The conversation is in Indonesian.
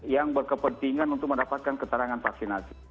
yang berkepentingan untuk mendapatkan keterangan vaksinasi